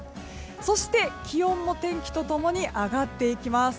そして気温も天気と共に上がっていきます。